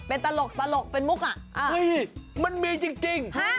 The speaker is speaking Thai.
ของตลกหนูความเตย